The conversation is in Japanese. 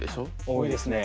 多いですね。